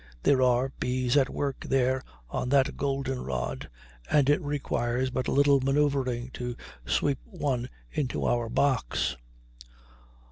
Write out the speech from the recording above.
There are bees at work there on that goldenrod, and it requires but little manœuvering to sweep one into our box.